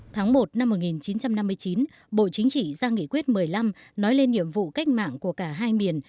tháng một năm một nghìn chín trăm năm mươi chín bộ chính trị ra nghị quyết một mươi năm nói lên nhiệm vụ cách mạng của cả hai miền